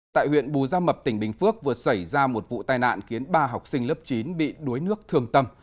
tại huyện bù gia mập tỉnh bình phước vừa xảy ra một vụ tai nạn khiến ba học sinh lớp chín bị đuối nước thương tâm